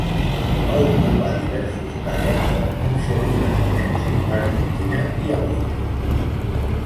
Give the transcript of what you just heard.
Va ocupar diversos càrrecs a les nunciatures de Mèxic, Argentina i Àustria.